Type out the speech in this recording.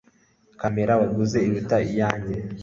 Kamera waguze iruta iyanjye.